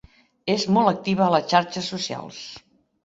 És molt activa a les xarxes socials.